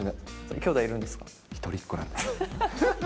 きょうだいいるんですか？